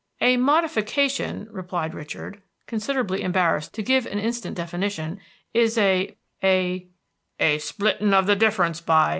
"A modification," replied Richard, considerably embarrassed to give an instant definition, "is a a" "A splitting of the difference, by